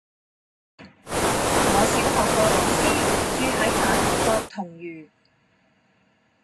我小學個老師住喺馬頭角銅璵